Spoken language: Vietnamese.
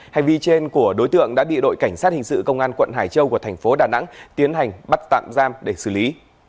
hành vi trên của đối tượng đã bị đội cảnh sát hình sự công an quận hải châu của thành phố đà nẵng tiến hành bắt tạm giam để xử lý